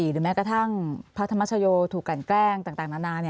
หรือแม้กระทั่งพระธรรมชโยถูกกันแกล้งต่างนานา